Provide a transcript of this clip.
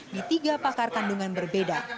di tiga pakar kandungan berbeda